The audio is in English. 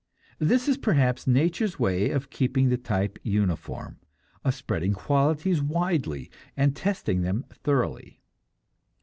This is perhaps nature's way of keeping the type uniform, of spreading qualities widely and testing them thoroughly.